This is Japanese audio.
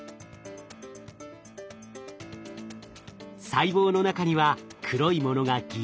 細胞の中には黒いものがぎっしり。